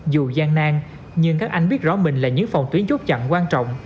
dù gian nang nhưng các anh biết rõ mình là những phòng tuyến chốt chặn quan trọng